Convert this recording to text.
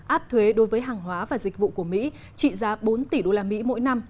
áp thuế đối với hàng hóa và dịch vụ của mỹ trị giá bốn tỷ usd mỗi năm